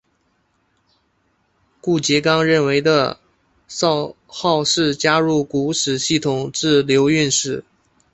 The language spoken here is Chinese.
顾颉刚认为的少昊氏加入古史系统自刘歆始。